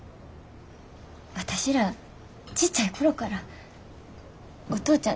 私らちっちゃい頃からお父ちゃん